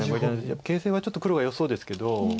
形勢はちょっと黒がよさそうですけど。